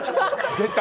出た？